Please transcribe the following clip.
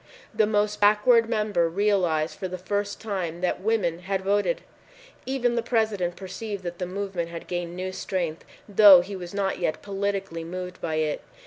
The most backward member realized for the first time that women had voted. Even the President perceived that the movement had gained new strength, though he was not yet politically moved by it.